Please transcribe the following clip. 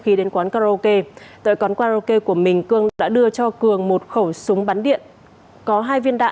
khí đến quán karaoke tại quán karaoke của mình cường đã đưa cho cường một khẩu súng bắn điện có